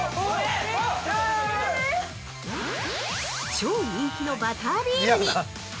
超人気のバタービールに！